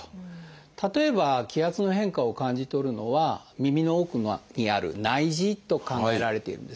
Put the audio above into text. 例えば気圧の変化を感じ取るのは耳の奥にある内耳と考えられているんですね。